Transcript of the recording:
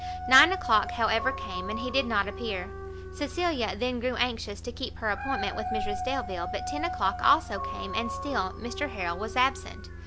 Nine o'clock, however, came, and he did not appear; Cecilia then grew anxious to keep her appointment with Mrs Delvile; but ten o'clock also came, and still Mr Harrel was absent.